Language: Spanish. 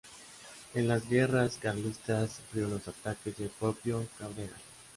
En las guerras carlistas sufrió los ataques del propio Cabrera.